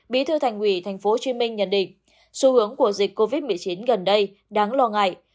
bí thư thành ủy tp hcm nhận định xu hướng của dịch covid một mươi chín gần đây đáng lo ngại